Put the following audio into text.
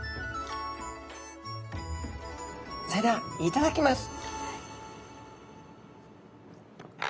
それではいただきます。